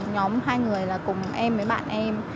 nhóm hai người là cùng em với bạn em